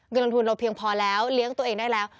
เงินลงทุนเราเพียงพอแล้วเลี้ยงตัวเองได้แล้ว